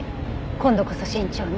今度こそ慎重に」